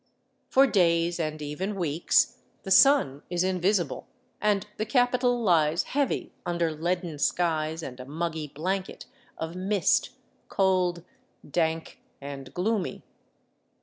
For days, and even weeks, the sun is invisible, and the capital lies heavy under leaden skies and a muggy blanket of mist, cold, dank, and gloomy.